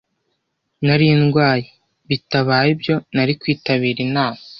Nari ndwaye, bitabaye ibyo nari kwitabira inama.